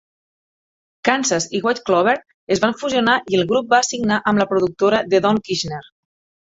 Kansas i White Clover es van fusionar i el grup va signar amb la productora de Don Kirshner.